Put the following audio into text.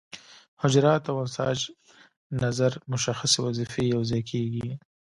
حجرات او انساج نظر مشخصې وظیفې یوځای کیږي.